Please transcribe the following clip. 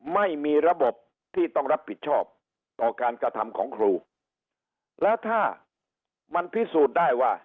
ไม่มีระบบที่ต้องรับผิดชอบต่อการกระทำของครูแล้วถ้ามันพิสูจน์ได้ว่า